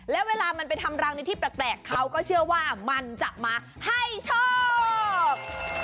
แล้วเวลามันไปทำรังในที่แปลกเขาก็เชื่อว่ามันจะมาให้โชค